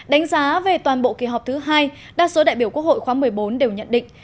đánh giá về toàn bộ kỳ họp thứ hai đa số đại biểu quốc hội khóa một mươi bốn đều nhận định